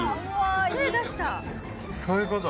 そういうこと？